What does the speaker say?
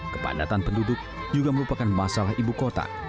kepadatan penduduk juga merupakan masalah ibu kota